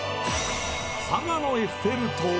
佐賀のエッフェル塔は！？